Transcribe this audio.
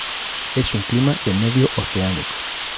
Es un clima de medio oceánico.